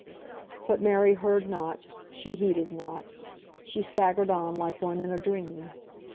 But Mary heard not, she heeded not. She staggered on like one in a dream.